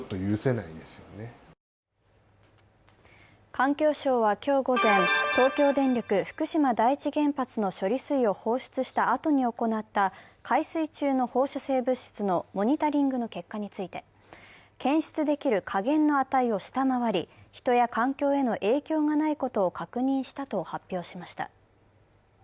環境省は今日午前、東京電力福島第一原発の処理水を放出したあとに行った海水中の放射性物質のモニタリングの結果について、検出できる下限の値を下回り、人や環境への影響がないことを確認したと発表しました。